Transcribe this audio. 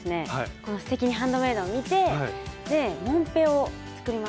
この「すてきにハンドメイド」を見てでもんぺを作りました。